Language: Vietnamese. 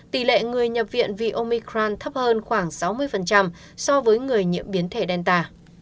tỷ lệ người nhập viện vì omicron thấp hơn khoảng sáu mươi so với người nhiễm biến thể delta